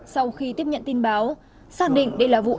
sau khi tiếp nhận tin báo xác định đây là vụ án